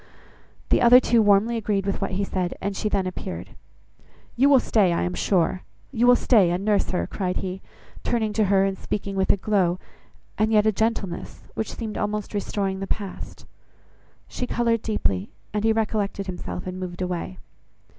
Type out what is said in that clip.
The other two warmly agreed with what he said, and she then appeared. "You will stay, I am sure; you will stay and nurse her;" cried he, turning to her and speaking with a glow, and yet a gentleness, which seemed almost restoring the past. She coloured deeply, and he recollected himself and moved away.